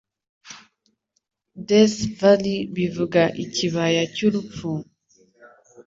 Death Valley bivuga ikibaya cy'urupfu,